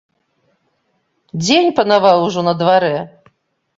Дзень панаваў ужо на дварэ.